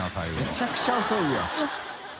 めちゃくちゃ遅いよ。